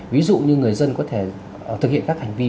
ví dụ như người dân có thể thực hiện các hành vi